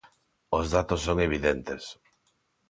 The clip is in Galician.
Os datos son evidentes.